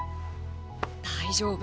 大丈夫。